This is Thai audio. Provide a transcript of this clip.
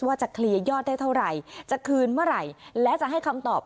ว่าจะเคลียร์ยอดได้เท่าไหร่จะคืนเมื่อไหร่และจะให้คำตอบ